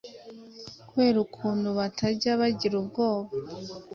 Kubera ukuntu batajya bagira ubwoba